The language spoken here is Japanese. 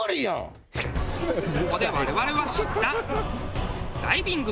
ここで我々は知った。